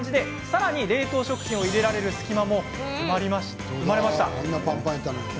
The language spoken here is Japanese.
さらに冷凍食品を入れられる隙間が生まれました。